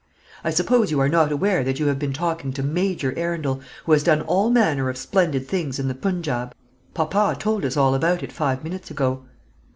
"I suppose you are not aware that you have been talking to Major Arundel, who has done all manner of splendid things in the Punjaub? Papa told us all about it five minutes ago."